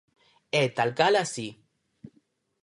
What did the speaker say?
¡É tal cal así!